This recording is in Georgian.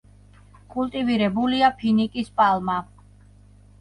კულტივირებულია ფინიკის პალმა.